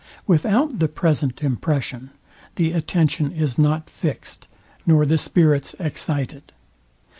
Without the present impression, the attention is not fixed, nor the spirits excited.